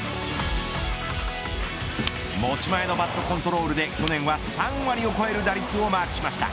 持ち前のバットコントロールで去年は３割を超える打率をマークしました。